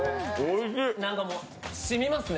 なんかもう、しみますね。